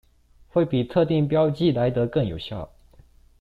會比特定標記來得更有效